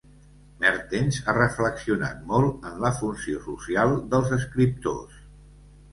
Mertens ha reflexionat molt en la funció social dels escriptors.